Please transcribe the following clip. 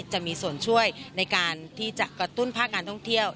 จะมีส่วนช่วยในการที่จะกระตุ้นภาคการท่องเที่ยว